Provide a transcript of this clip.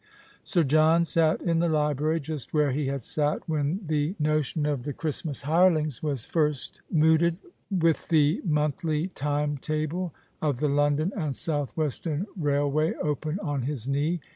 Sir John sat in the library, just where he had sat when the notion of the Christmas hirelings was first mooted. The Christmas Hirelings. 217 with the monthly time table of the London and South western Eailway open on his knee.